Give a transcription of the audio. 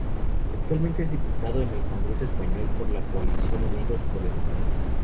Actualmente es diputado en el Congreso español por la coalición Unidos Podemos.